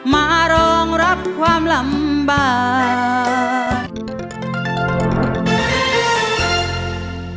มารองรับความลำบาก